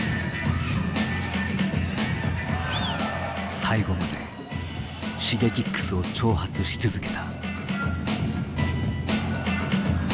最後までＳｈｉｇｅｋｉｘを挑発し続けた。